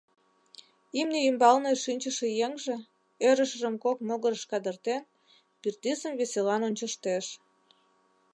Имне ӱмбалне шинчыше еҥже, ӧрышыжым кок могырыш кадыртен, пӱртӱсым веселан ончыштеш.